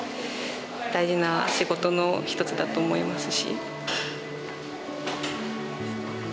大事な仕事の一つだと思いますし。